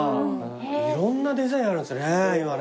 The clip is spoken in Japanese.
いろんなデザインあるんですね